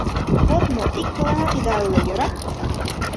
— Вот мо, иктыланат ида ойло, йӧра?